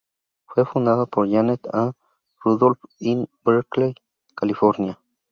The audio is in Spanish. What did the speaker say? Fue fundada por Janet A. Rudolph in Berkeley, California.